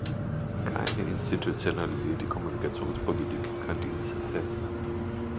Keine institutionalisierte Kommunikationspolitik kann dies ersetzen.